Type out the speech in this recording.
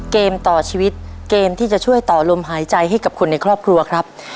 เกมต่อชีวิตเกมที่จะช่วยต่อลมหายใจให้กับคนในครอบครัวครับ